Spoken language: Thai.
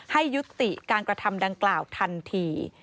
ให้ยุติการกระทำดังกล่าวทันที